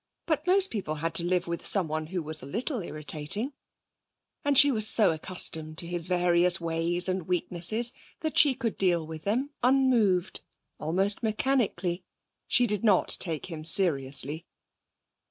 But most people had to live with someone who was a little irritating; and she was so accustomed to his various ways and weaknesses that she could deal with them unmoved, almost mechanically. She did not take him seriously.